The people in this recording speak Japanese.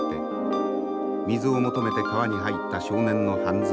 水を求めて川に入った少年の半ズボン。